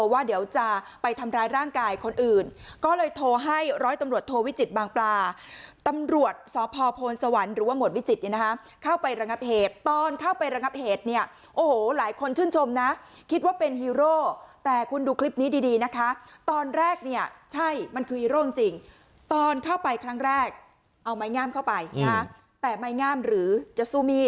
ว่าเดี๋ยวจะไปทำร้ายร่างกายคนอื่นก็เลยโทรให้ร้อยตำรวจโทวิจิตบางปลาตำรวจสพโพนสวรรค์หรือว่าหมวดวิจิตเนี่ยนะคะเข้าไประงับเหตุตอนเข้าไประงับเหตุเนี่ยโอ้โหหลายคนชื่นชมนะคิดว่าเป็นฮีโร่แต่คุณดูคลิปนี้ดีนะคะตอนแรกเนี่ยใช่มันคือฮีโร่จริงตอนเข้าไปครั้งแรกเอาไม้งามเข้าไปนะแต่ไม้งามหรือจะสู้มี